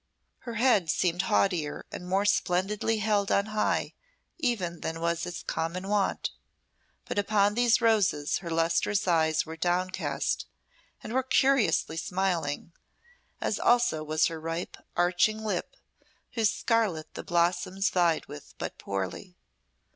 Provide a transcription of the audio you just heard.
Her head seemed haughtier and more splendidly held on high even than was its common wont, but upon these roses her lustrous eyes were downcast and were curiously smiling, as also was her ripe, arching lip, whose scarlet the blossoms vied with but poorly.